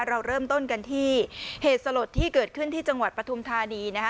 เราเริ่มต้นกันที่เหตุสลดที่เกิดขึ้นที่จังหวัดปฐุมธานีนะคะ